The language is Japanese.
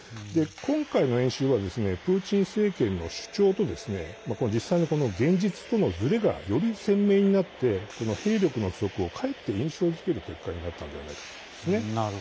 今回の演習はプーチン政権の主張と実際の現実とのずれがより鮮明になって兵力の不足をかえって印象づける結果になったんではないかと思うんですね。